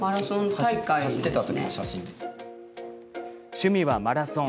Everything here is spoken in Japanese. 趣味はマラソン。